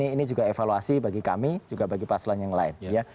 ini juga evaluasi bagi kami juga bagi pak aslan yang lain ya